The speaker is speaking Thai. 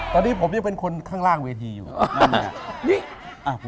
ตอนนี้ผมยังเป็นคนข้างล่างเวทีอยู่นั่นไง